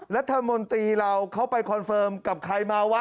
รัฐมนตรีเราเขาไปคอนเฟิร์มกับใครมาวะ